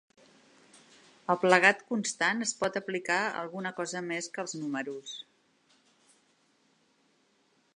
El plegat constant es pot aplicar a alguna cosa més que els números.